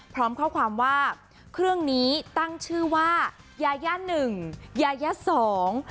พร้อมข้อความว่าเครื่องนี้ตั้งชื่อว่ายาย่าหนึ่งยายาสอง